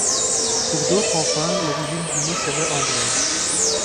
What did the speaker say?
Pour d'autres enfin l'origine du mot serait anglaise.